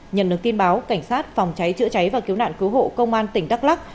nhận được tin báo cảnh sát phòng cháy chữa cháy và cứu nạn cứu hộ công an tỉnh đắk lắc